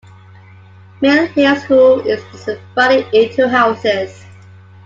Mill Hill School is divided into houses.